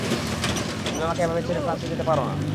তুমি আমাকে এভাবে ছেড়ে ফ্রান্সে যেতে পারোনা!